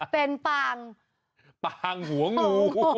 เป็นปางปางหัวงู